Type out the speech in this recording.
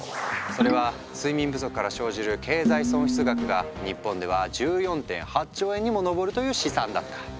それは睡眠不足から生じる経済損失額が日本では１４．８兆円にも上るという試算だった。